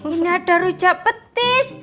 ini ada rujak petis